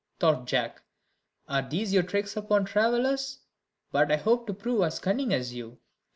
thought Jack. "Are these your tricks upon travellers? But I hope to prove as cunning as you."